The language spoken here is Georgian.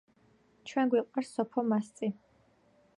ჩვენ გვიყვარს სოფო მასწი